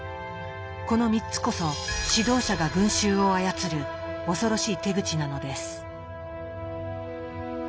この３つこそ指導者が群衆を操る恐ろしい手口なのです。